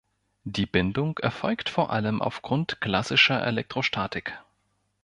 Die Bindung erfolgt vor allem aufgrund klassischer Elektrostatik.